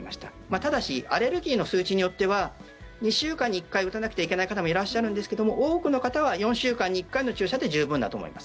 ただしアレルギーの数値によっては２週間に１回打たなくてはいけない方もいらっしゃるんですけども多くの方は４週間に１回の注射で十分だと思います。